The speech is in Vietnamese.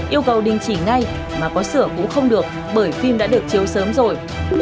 yêu cầu đình chỉ ngay mà có sửa cũng không được bởi phim đã được chiếu sớm rồi